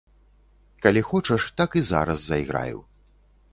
Калі хочаш, так і зараз зайграю.